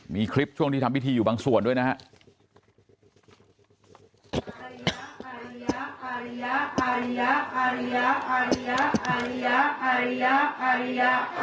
มีคลิปช่วงที่ทำพิธีอยู่บางส่วนด้วยนะครับ